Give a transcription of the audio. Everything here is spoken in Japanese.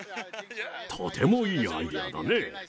とてもいいアイデアだね。